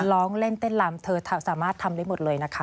ร้องเล่นเต้นลำเธอสามารถทำได้หมดเลยนะคะ